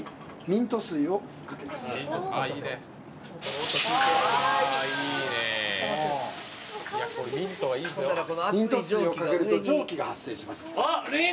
ミント水をかけると蒸気が発生します。